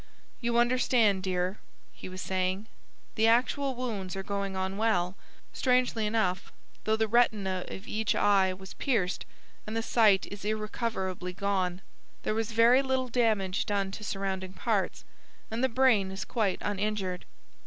"You understand, dear," he was saying, "the actual wounds are going on well. Strangely enough, though the retina of each eye was pierced, and the sight is irrecoverably gone, there was very little damage done to surrounding parts, and the brain is quite uninjured.